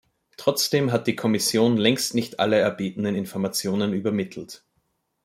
Trotzdem hat die Kommission längst nicht alle erbetenen Informationen übermittelt.